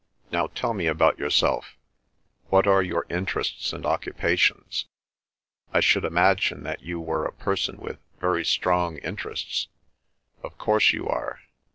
Now, tell me about yourself. What are your interests and occupations? I should imagine that you were a person with very strong interests. Of course you are!